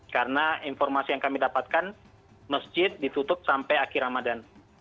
karena informasi yang kami dapatkan masjid ditutup sampai akhir ramadan